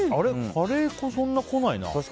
カレー粉そんなこないな。